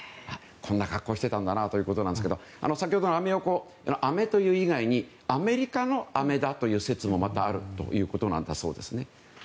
こんな格好をしていたんだなということなんですが先ほどのアメ横飴という以外にアメリカの「アメ」だという説もまたあるそうです。